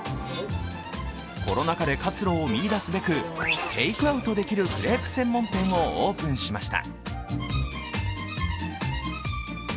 コロナ禍で活路を見出すべく、テイクアウトできるクレープ専門店をオープンしました。